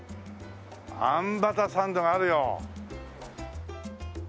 あんバターサンドがあるよ。